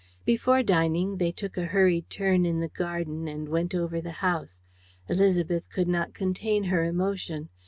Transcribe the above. Before dining, they took a hurried turn in the garden and went over the house. Élisabeth could not contain her emotion.